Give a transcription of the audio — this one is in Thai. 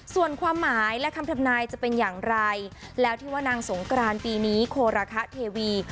ส่วนความหมายและคำทำนายจะเป็นอย่างไรแล้วที่ว่านางสงกรานปีนี้โคระคะเทวี